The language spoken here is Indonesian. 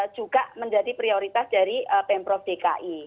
juga menjadi prioritas dari pemprov dki